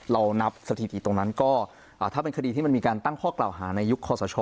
เรานับสถิติตรงนั้นก็ถ้าเป็นคดีที่มันมีการตั้งข้อกล่าวหาในยุคคอสช